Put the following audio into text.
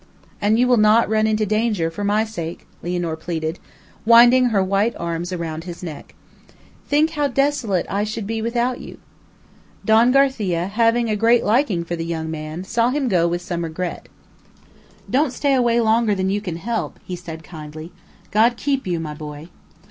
"And you will not run into danger, for my sake?" Lianor pleaded, winding her white arms round his neck. "Think how desolate I should be without you!" Don Garcia, having a great liking for the young man, saw him go with some regret. "Don't stay away longer than you can help," he said kindly. "God keep you, my boy."